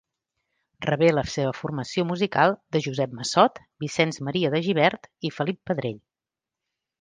Rebé la seva formació musical de Josep Massot, Vicenç Maria de Gibert i Felip Pedrell.